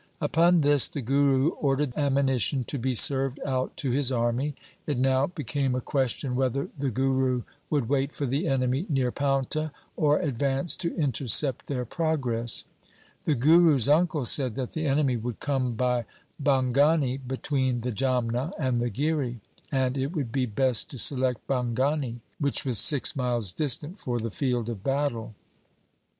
Upon this the Guru ordered ammunition to be served out to his army. It now became a ques tion whether the Guru would wait for the enemy near Paunta, or advance to intercept their progress. The Guru's uncle said that the enemy would come by Bhangani between the Jamna and the Giri, 1 and it would be best to select Bhangani, which was six miles distant, for the field of battle.